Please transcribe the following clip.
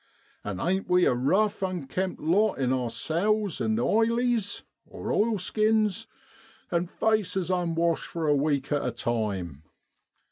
An' ain't we a rough, unkempt lot in our sou's an' ileys (oilskins), and faces unwashed for a week at a time?